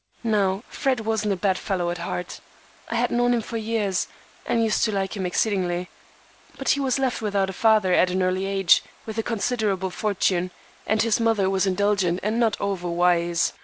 Now, Fred wasn't a bad fellow at heart. I had known him for years, and used to like him exceedingly. But he was left without a father at an early age, with a considerable fortune, and his mother was indulgent and not overwise.